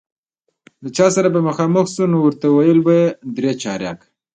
له چا سره به مخامخ شو، نو ورته ویل به یې درې چارکه.